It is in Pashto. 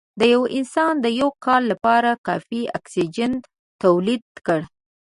د یو انسان د یو کال لپاره کافي اکسیجن تولید کړ